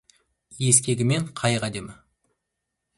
Ескегімен қайық әдемі.